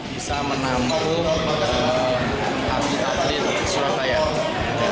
bisa menampung atlet atlet surabaya